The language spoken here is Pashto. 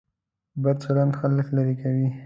بد چلند خلک لرې کوي.